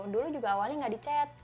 dulu juga awalnya nggak dicet